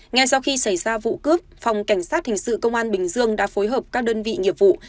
ngay sau khi xảy ra vụ cướp phòng cảnh sát hình sự công an bình dương đã phối hợp các đơn vị nghiệp vụ